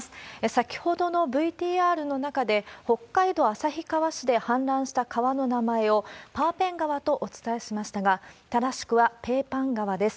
先ほどのＶＴＲの中で、北海道旭川市で氾濫した川の名前を、パーペン川とお伝えしましたが、正しくは、ペーパン川です。